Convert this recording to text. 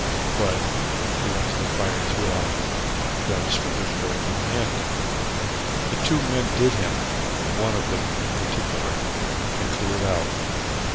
But he went to the fire too often, and got his fingers burned in the end. The two men did him one of them in particular and cleared out.